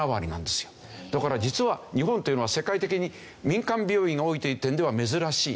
だから実は日本というのは世界的に民間病院が多いという点では珍しい。